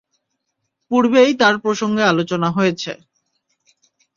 পূর্বেই তার প্রসঙ্গে আলোচনা হয়েছে।